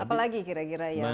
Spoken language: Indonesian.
apalagi kira kira yang